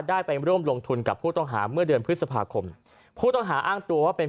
ได้ไปร่วมลงทุนกับผู้ต้องหาเมื่อเดือนพฤษภาคมผู้ต้องหาอ้างตัวว่าเป็น